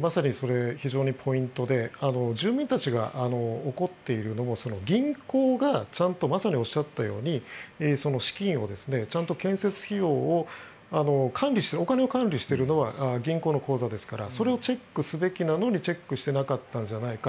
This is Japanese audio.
まさにそれが非常にポイントで住民たちが怒っているのは銀行がちゃんとまさにおっしゃったように資金、建設費用を管理しているのは銀行の口座ですからそれをチェックすべきなのにチェックしてなかったんじゃないか